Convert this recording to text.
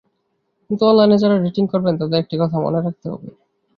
কিন্তু অনলাইনে যাঁরা ডেটিং করবেন তাঁদের একটি কথা মনে রাখতে হবে।